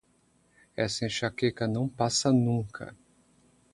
Essa enxaqueca não passa nunca.